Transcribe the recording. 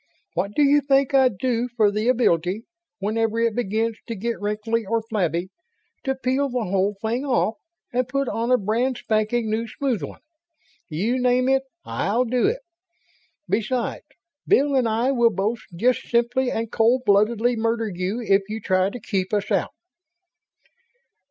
What do you think I'd do for the ability, whenever it begins to get wrinkly or flabby, to peel the whole thing off and put on a brand spanking new smooth one? You name it, I'll do it! Besides, Bill and I will both just simply and cold bloodedly murder you if you try to keep us out."